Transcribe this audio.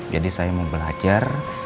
jadi saya mau belajar